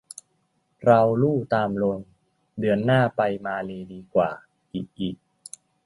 เราลู่ตามลม เดือนหน้าไปมาเลย์ดีกว่า อิอิ